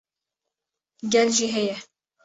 gel jî heye